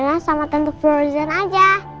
aku sama suspirna sama tante florian aja